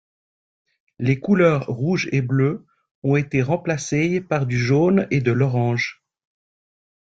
Les couleurs rouge et bleu ont été remplacées par du jaune et de l'orange.